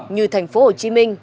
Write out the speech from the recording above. như thành phố hồ chí minh